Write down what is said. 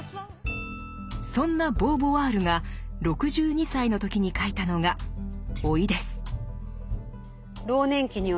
そんなボーヴォワールが６２歳の時に書いたのが「老い」です。